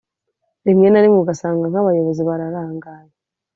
rimwe na rimwe ugasanga nk’abayobozi bararangaye